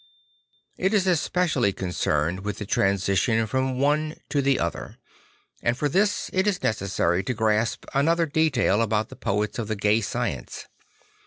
It is especially con cerned with the transition from one to the other; and for this it is necessary to grasp another detail about the poets of the Gay Science.